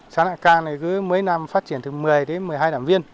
xã nậm cang cứ mấy năm phát triển từ một mươi đến một mươi hai đảng viên